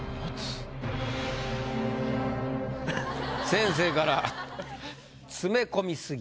先生から「詰め込みすぎ！」。